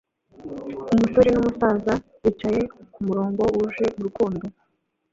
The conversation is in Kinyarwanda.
Umusore numusaza bicaye kumurongo wuje urukundo